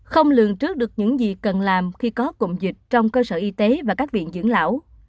không lường trước được những gì cần làm khi có cụm dịch trong cơ sở y tế và các viện dưỡng lão